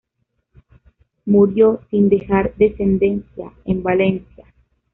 Murió, sin dejar descendencia, en Valencia.